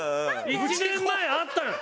１年前あったのに。